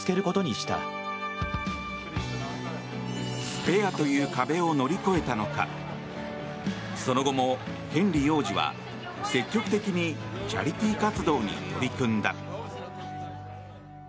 スペアという壁を乗り越えたのかその後もヘンリー王子は積極的にチャリティー活動に取り組んだ。